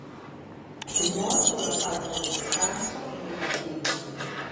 Temor pola falta de descanso entre partidos.